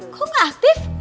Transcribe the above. kok gak aktif